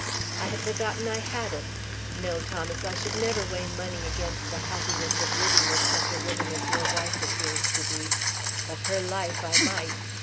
"I had forgotten I had it. No, Thomas, I should never weigh money against the happiness of living with such a woman as your wife appears to be. But her life I might.